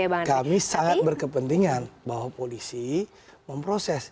jadi kami sangat berkepentingan bahwa polisi memproses